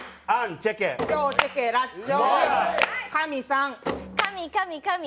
チェケラッチョ。